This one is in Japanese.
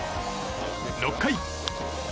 ６回。